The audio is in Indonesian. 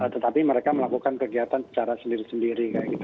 tetapi mereka melakukan kegiatan secara sendiri sendiri